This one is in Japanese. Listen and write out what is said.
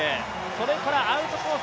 それからアウトコース